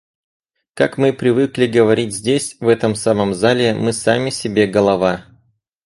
Как мы привыкли говорить здесь, в этом самом зале, "мы сами себе голова".